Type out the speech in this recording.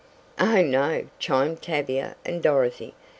"Oh, no!" chimed Tavia and Dorothy.